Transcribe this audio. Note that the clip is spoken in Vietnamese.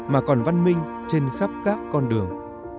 mà còn văn minh trên khắp các con đường